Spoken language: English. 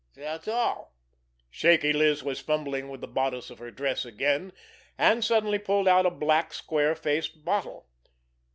Dat's all!" Shaky Liz was fumbling with the bodice of her dress again, and suddenly pulled out a black, square faced bottle.